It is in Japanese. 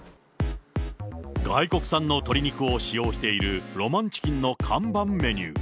外国産の鶏肉を使用している浪漫チキンの看板メニュー。